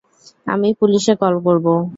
আমি পুলিশে কল করব।